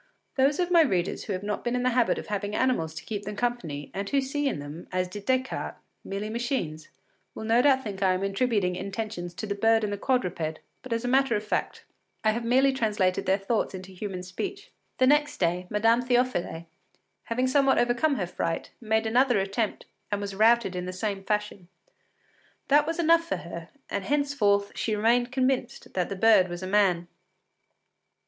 Those of my readers who have not been in the habit of having animals to keep them company, and who see in them, as did Descartes, merely machines, will no doubt think I am attributing intentions to the bird and the quadruped, but as a matter of fact, I have merely translated their thoughts into human speech. The next day, Madame Théophile, having somewhat overcome her fright, made another attempt, and was routed in the same fashion. That was enough for her, and henceforth she remained convinced that the bird was a man.